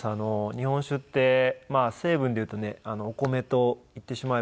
日本酒って成分でいうとねお米といってしまえばお水。